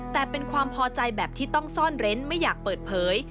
แต่เป็นความพอใจแบบที่ต้องซ่อนเร้นไม่อยากเปิดเผย